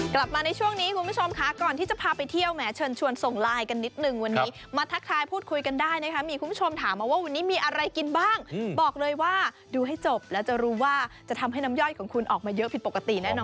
กลับมาในช่วงนี้คุณผู้ชมค่ะก่อนที่จะพาไปเที่ยวแหมเชิญชวนส่งไลน์กันนิดนึงวันนี้มาทักทายพูดคุยกันได้นะคะมีคุณผู้ชมถามมาว่าวันนี้มีอะไรกินบ้างบอกเลยว่าดูให้จบแล้วจะรู้ว่าจะทำให้น้ำย่อยของคุณออกมาเยอะผิดปกติแน่นอน